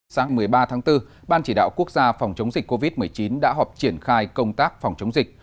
sáng một mươi ba tháng bốn ban chỉ đạo quốc gia phòng chống dịch covid một mươi chín đã họp triển khai công tác phòng chống dịch